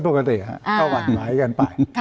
ก็เป็นปกติค่ะก็หวั่นหวายกันไป